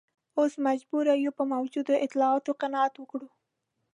اوس مجبور یو په موجودو اطلاعاتو قناعت وکړو.